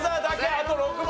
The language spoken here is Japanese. あと５問。